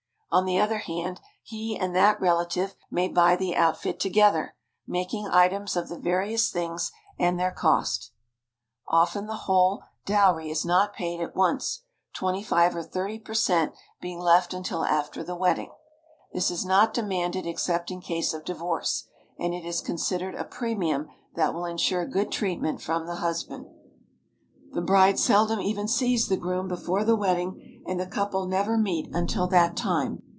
On the other hand, he and that relative may buy the outfit together, making items of the various things and their cost. Often the whole 227 THE HOLY LAND AND SYRIA dowry is not paid at once, 25 or 30 per cent, being left until after the wedding. This is not demanded except in case of divorce, and it is considered a premium that will insure good treatment from the husband. The bride seldom even sees the groom before the wed ding, and the couple never meet until that time.